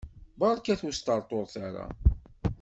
Berkat ur sṭerṭuret ara!